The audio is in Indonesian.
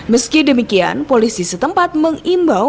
meski demikian polisi setempat mengimbau